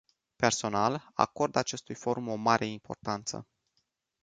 Personal, acord acestui forum o importanță mare.